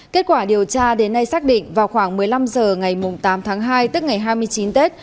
kết quả điều tra đến nay xác định vào khoảng một mươi năm h ngày tám tháng hai tức ngày hai mươi chín tết